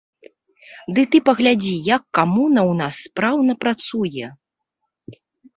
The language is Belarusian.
Ды ты паглядзі, як камуна ў нас спраўна працуе.